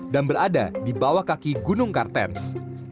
dan berada di bawah kaki gunung kartens